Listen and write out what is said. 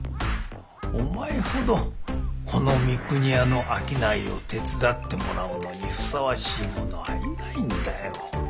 お前ほどこの三国屋の商いを手伝ってもらうのにふさわしい者はいないんだよ。